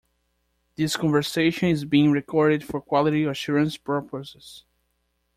This conversation is being recorded for quality assurance purposes.